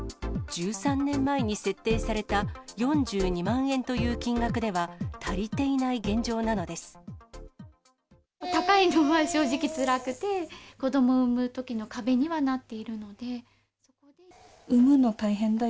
１３年前に設定された４２万円という金額では、高いのは正直つらくて、子どもを産むときの壁にはなっているので。